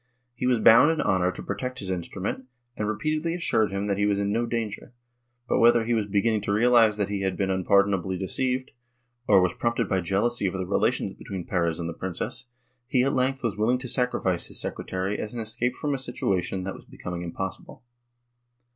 He was bound in honor to protect his instru ment, and repeatedly assured him that he was in no danger, but, whether he was beginning to realize that he had been unpardonably deceived, or was prompted by jealousy of the relations between Perez and the princess, he at length was willing to sacrifice his secretary as an escape from a situation that was becoming impos sible.